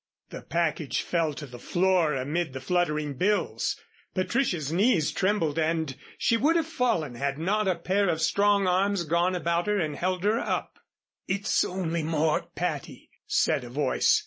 The package fell to the floor amid the fluttering bills. Patricia's knees trembled and she would have fallen had not a pair of strong arms gone about her and held her up. "It's only Mort, Patty," said a voice.